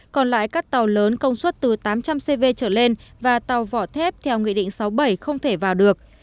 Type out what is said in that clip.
còn lại các tàu lớn công suất từ tám trăm linh cv trở lên và tàu vỏ thép theo nghị định sáu bảy không thể vào được